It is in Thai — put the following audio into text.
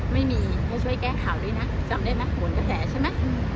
ไม่มีให้ช่วยแก้ข่าวด้วยนะจำได้ไหมโหนกระแสใช่ไหม